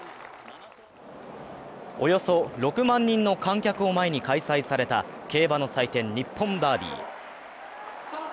およそ６万人の観客を前に開催された競馬の祭典、日本ダービー。